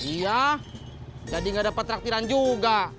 iya jadi gak dapat taktiran juga